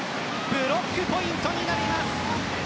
ブロックポイントになります。